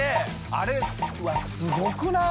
あれうわっすごくない？